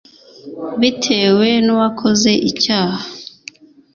bitewe n uwakoze icyaha